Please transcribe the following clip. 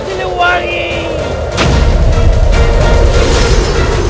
aku akan menangkapmu